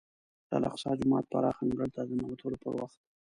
د الاقصی جومات پراخ انګړ ته د ننوتلو پر وخت.